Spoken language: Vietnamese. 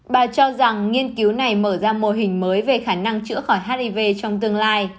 bà cho rằng nghiên cứu này mở ra mô hình mới về khả năng chữa khỏi hiv trong tương lai